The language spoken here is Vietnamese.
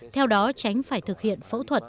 theo đó tránh phải thực hiện phẫu thuật